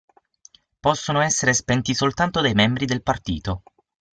Possono essere spenti soltanto dai membri del Partito.